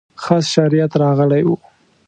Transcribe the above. خاص شریعت راغلی و.